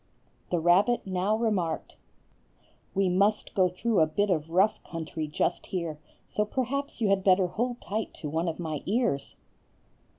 The rabbit now remarked,— "We must go through a bit of rough country just here, so perhaps you had better hold tight to one of my ears."